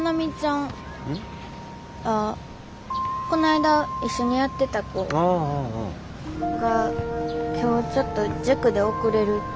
ん？あっこないだ一緒にやってた子が今日ちょっと塾で遅れるから。